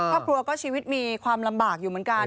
ครอบครัวก็ชีวิตมีความลำบากอยู่เหมือนกัน